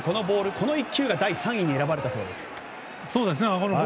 この一球が第３位に選ばれたそうです。